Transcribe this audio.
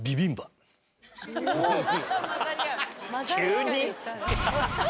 急に？